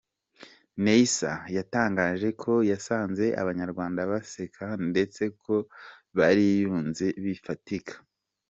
Neysa yatangaje ko yasanze Abanyarwanda baseka ndetse ko bariyunze bifatika.